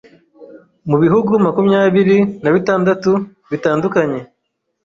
mu bihugu makumyabiri nabitandtu bitandukanye